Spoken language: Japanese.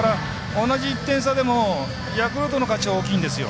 同じ１点差でもヤクルトの勝ちは大きいんです。